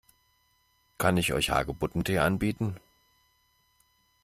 Kann ich euch Hagebuttentee anbieten?